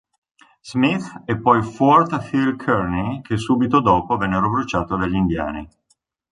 Smith e poi Fort Phil Kearny che subito dopo vennero bruciati dagli indiani.